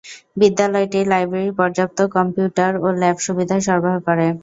বিদ্যালয়টি লাইব্রেরী, পর্যাপ্ত কম্পিউটার ও ল্যাব সুবিধা সরবরাহ করে।